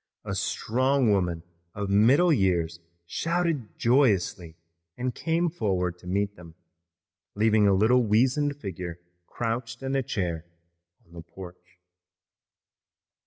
A strong woman of middle years shouted joyously and came forward to meet them, leaving a little weazened figure crouched in a chair on the porch.